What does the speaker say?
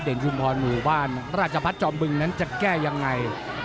ชุมพรหมู่บ้านราชพัฒน์จอมบึงนั้นจะแก้ยังไง